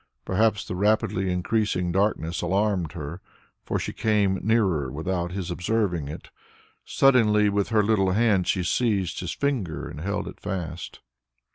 Perhaps the rapidly increasing darkness alarmed her, for she came nearer, without his observing it; suddenly with her little hand she seized his finger and held it fast.